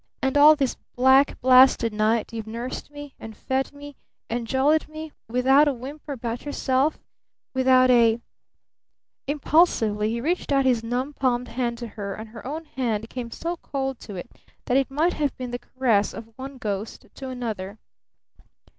"And all this black, blasted night you've nursed me and fed me and jollied me without a whimper about yourself without a " Impulsively he reached out his numb palmed hand to her, and her own hand came so cold to it that it might have been the caress of one ghost to another.